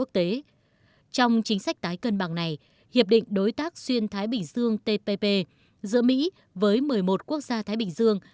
trong chính sách tái cân bằng này hiệp định đối tác xuyên thái bình dương tpp giữa mỹ với một mươi một quốc gia thái bình dương